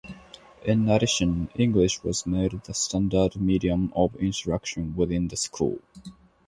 In addition, English was made the standard medium of instruction within the school.